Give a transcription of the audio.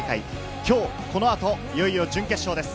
今日この後、いよいよ準決勝です。